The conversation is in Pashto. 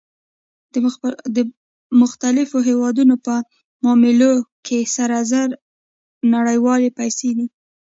د مختلفو هېوادونو په معاملو کې سره زر نړیوالې پیسې دي